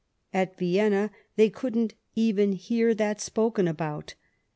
At Vienna they couldn't even hear that spoken about.